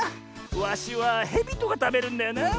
ワシはヘビとかたべるんだよなあ。